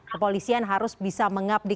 kepolisian harus bisa mengabdi